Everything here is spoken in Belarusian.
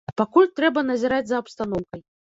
Пакуль трэба назіраць за абстаноўкай.